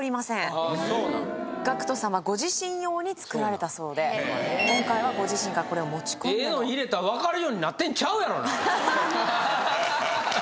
あそうなんＧＡＣＫＴ様ご自身用に作られたそうで今回はご自身がこれを持ち込んでのええの入れたらわかる様になってんちゃうやろな？